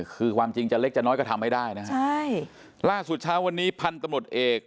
คือความจริงจะเล็กจะน้อยก็ทำไม่ได้นะฮะใช่ล่าสุดเช้าวันนี้พันธุ์ตำรวจเอก